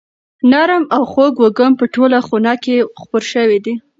نرم او خوږ وږم په ټوله خونه کې خپور شوی دی.